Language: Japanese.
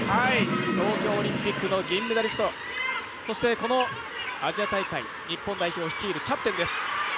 東京オリンピックの銀メダリスト、そしてこのアジア大会、日本代表を率いるキャプテンです。